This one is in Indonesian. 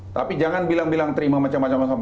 tapi jangan bilang bilang terima macam macam macam